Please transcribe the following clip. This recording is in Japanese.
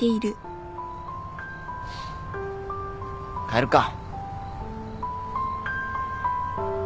帰るか。